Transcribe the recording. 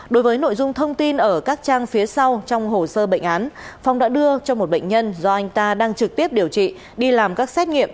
đối với nội dung thông tin ở các trang phía sau trong hồ sơ bệnh án phong đã đưa cho một bệnh nhân do anh ta đang trực tiếp điều trị đi làm các xét nghiệm